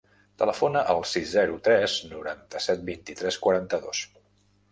Telefona al sis, zero, tres, noranta-set, vint-i-tres, quaranta-dos.